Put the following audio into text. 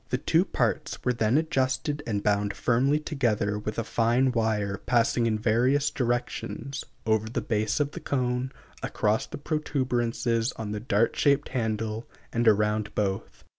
The two parts were then adjusted and bound firmly together with a fine wire passing in various directions, over the base of the cone, across the protuberances on the dart shaped handle, and around both.